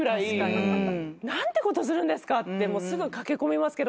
何てことするんですかってすぐ駆け込みますけど。